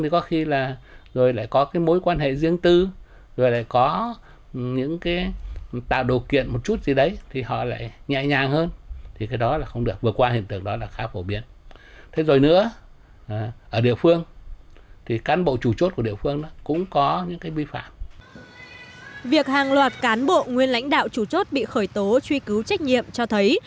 việc hàng loạt cán bộ nguyên lãnh đạo chủ chốt bị khởi tố truy cứu trách nhiệm cho thấy